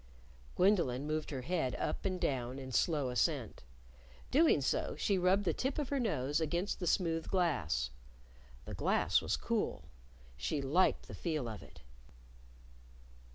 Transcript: Gwendolyn moved her head up and down in slow assent. Doing so, she rubbed the tip of her nose against the smooth glass. The glass was cool. She liked the feel of it.